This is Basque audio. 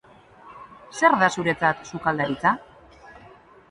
Zer da zuretzat sukaldaritza?